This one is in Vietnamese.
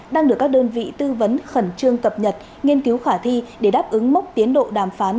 đang được các đơn vị tư vấn khẩn trương cập nhật nghiên cứu khả thi để đáp ứng mốc tiến độ đàm phán